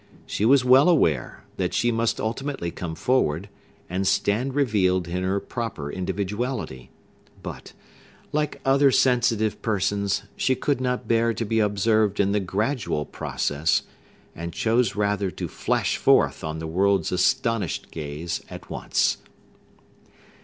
She was well aware that she must ultimately come forward, and stand revealed in her proper individuality; but, like other sensitive persons, she could not bear to be observed in the gradual process, and chose rather to flash forth on the world's astonished gaze at once.